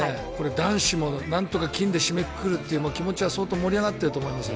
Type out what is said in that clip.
男子もなんとか金で締めくくると気持ちは相当盛り上がっていると思いますよ。